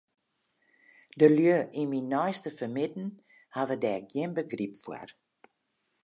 De lju yn myn neiste fermidden hawwe dêr gjin begryp foar.